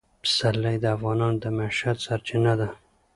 پسرلی د افغانانو د معیشت سرچینه ده.